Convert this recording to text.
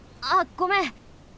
あっごめん！